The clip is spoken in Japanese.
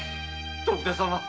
徳田様